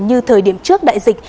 như thời điểm trước đại dịch